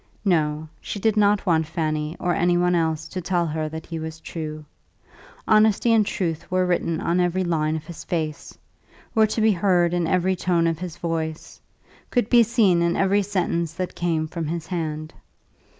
No; she did not want Fanny or any one else to tell her that he was true. Honesty and truth were written on every line of his face, were to be heard in every tone of his voice, could be seen in every sentence that came from his hand.